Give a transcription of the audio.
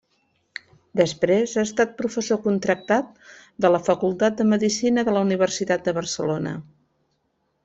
Després ha estat professor contractat de la Facultat de Medicina de la Universitat de Barcelona.